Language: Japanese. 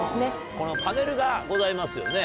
このパネルがございますよね。